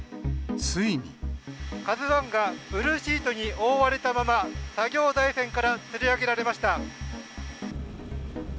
ＫＡＺＵＩがブルーシートに覆われたまま、作業台船からつり上げられました。